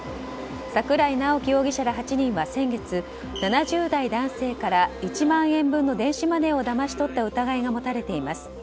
櫻井直樹容疑者ら８人は先月７０代男性から１万円分の電子マネーをだまし取った疑いが持たれています。